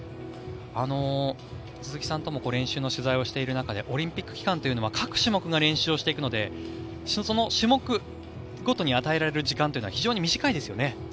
鈴木さんとも練習の取材をしている中でオリンピック期間というのは各種目の練習をしていくのでその種目ごとに与えられる時間というのは非常に短いですよね